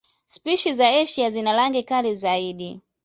Spishi za Asia zina rangi kali zaidi.